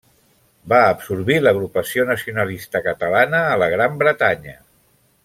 Va absorbir l'Agrupació Nacionalista Catalana a la Gran Bretanya.